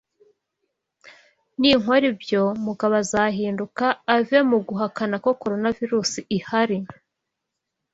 Ninkora ibyo, Mugabo azahinduka ave mu guhakana ko Coronavirusi ihari